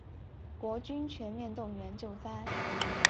国军全面动员救灾